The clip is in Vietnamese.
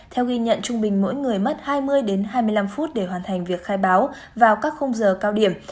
theo ghi nhận trung bình mỗi người mất hai mươi hai mươi năm phút để hoàn thành việc khai báo vào các khung giờ cao điểm